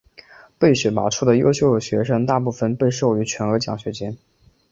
被选拔出的优秀学生大部分被授予全额奖学金。